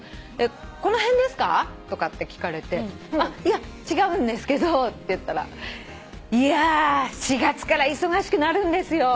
「この辺ですか？」とかって聞かれていや違うんですけどって言ったら「いや４月から忙しくなるんですよ」